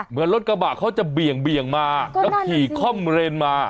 เหมือนรถกระบะเขาจะเบี่ยงมาแล้วขี่คล่อมเรนมา